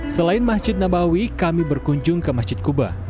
selain masjid nabawi kami berkunjung ke masjid kuba